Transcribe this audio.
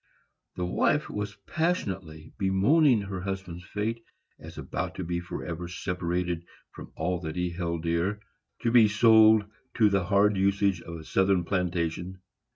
The wife was passionately bemoaning her husband's fate, as about to be forever separated from all that he held dear, to be sold to the hard usage of a Southern plantation.